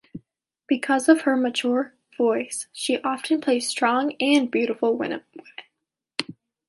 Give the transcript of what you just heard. Because of her mature voice, she often plays strong and beautiful women.